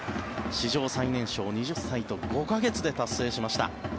史上最年少、２０歳と５か月で達成しました。